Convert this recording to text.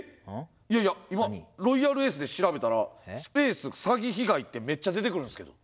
いやいや、今ロイヤルエースで調べたらスペース詐欺被害ってめっちゃ出てくるんすけど。